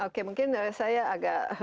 oke mungkin dari saya agak sedikit